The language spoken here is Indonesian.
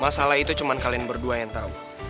masalah itu cuma kalian berdua yang tahu